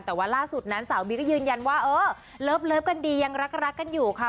แต่ว่าล่าสุดนั้นสาวบีก็ยืนยันว่าเออเลิฟกันดียังรักกันอยู่ค่ะ